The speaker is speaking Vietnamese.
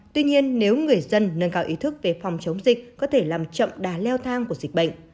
tuy nhiên nếu người dân nâng cao ý thức về phòng chống dịch có thể làm chậm đà leo thang của dịch bệnh